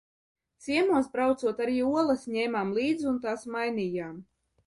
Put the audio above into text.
Ciemos braucot arī olas ņēmām līdz un tās mainījām.